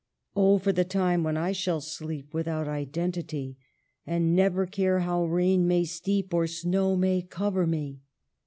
" Oh, for the time when I shall sleep Without identity, And never care how rain may steep, Or snow may cover me